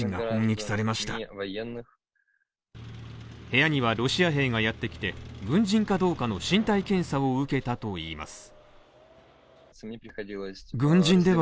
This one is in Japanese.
部屋にはロシア兵がやってきて軍人かどうかの身体検査を受けたといいます。